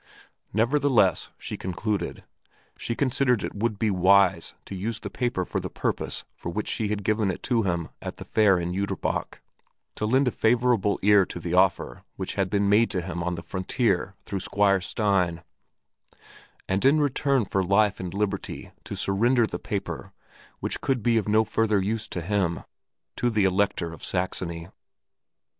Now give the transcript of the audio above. Nevertheless, she concluded, she considered it would be wise to use the paper for the purpose for which she had given it to him at the fair in Jüterbock, to lend a favorable ear to the offer which had been made to him on the frontier through Squire Stein, and in return for life and liberty to surrender the paper, which could be of no further use to him, to the Elector of Saxony.